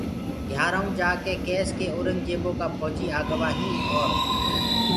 گھِيآرآئونٚ جآڪي ڪيس ڪي اورنٚگجيبو ڪآ ڦوجيٚ آگوآ هيٚنٚ اور